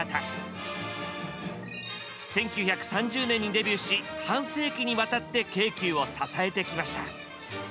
１９３０年にデビューし半世紀にわたって京急を支えてきました。